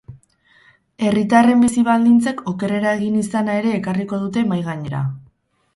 Herritarren bizi-baldintzek okerrera egin izana ere ekarriko dute mahai gainera.